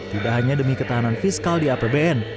tidak hanya demi ketahanan fiskal di apbn